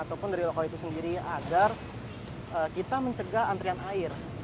agar kita mencegah antrian air